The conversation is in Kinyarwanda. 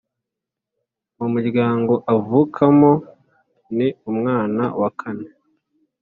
mu muryango avukamo ni umwana wakane